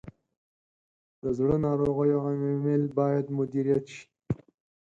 د زړه ناروغیو عوامل باید مدیریت شي.